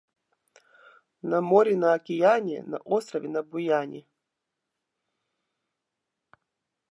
На море, на окияне, на острове на Буяне.